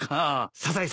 サザエさん